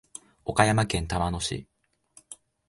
岡山県玉野市